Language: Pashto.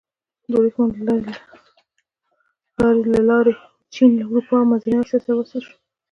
د ورېښمو لارې له لارې چین له اروپا او منځنۍ اسیا سره وصل شو.